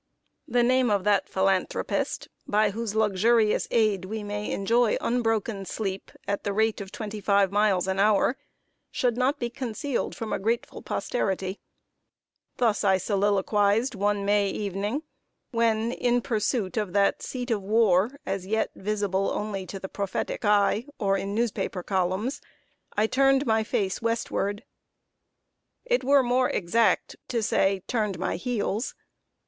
The name of that philanthropist, by whose luxurious aid we may enjoy unbroken sleep at the rate of twenty five miles an hour, should not be concealed from a grateful posterity. [Sidenote: A SUNDAY AT NIAGARA FALLS.] Thus I soliloquized one May evening, when, in pursuit of that "seat of war," as yet visible only to the prophetic eye, or in newspaper columns, I turned my face westward. It were more exact to say, "turned my heels."